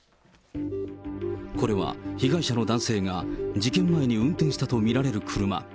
これは被害者の男性が事件前に運転したと見られる車。